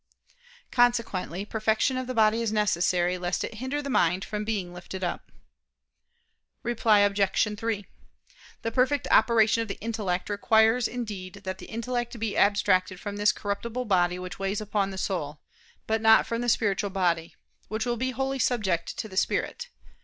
Consequently, perfection of the body is necessary, lest it hinder the mind from being lifted up. Reply Obj. 3: The perfect operation of the intellect requires indeed that the intellect be abstracted from this corruptible body which weighs upon the soul; but not from the spiritual body, which will be wholly subject to the spirit.